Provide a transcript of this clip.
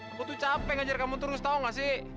aku tuh capek ngajar kamu terus tau nggak sih